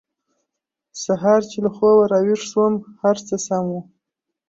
سهار چې له خوبه راویښ شوم هر څه سم وو